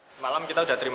semalam kita sudah terima